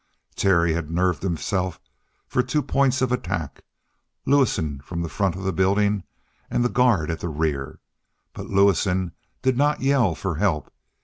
Terry had nerved himself for two points of attack Lewison from the front of the building, and the guard at the rear. But Lewison did not yell for help.